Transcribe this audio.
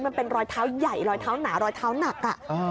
มันเป็นรอยเท้าใหญ่รอยเท้าหนารอยเท้าหนัก